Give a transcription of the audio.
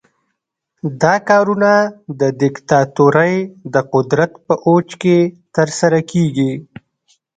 دا کارونه د دیکتاتورۍ د قدرت په اوج کې ترسره کیږي.